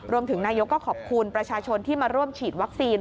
นายกก็ขอบคุณประชาชนที่มาร่วมฉีดวัคซีน